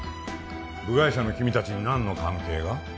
部外者の君達に何の関係が？